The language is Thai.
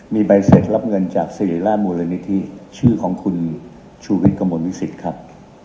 มีใบเสร็จรับเงินจากสิริราชมูลนิธิชื่อของคุณชูวิทย์กระมวลวิสิตครับ